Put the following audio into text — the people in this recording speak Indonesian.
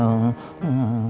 kan tak ada yang kesepikan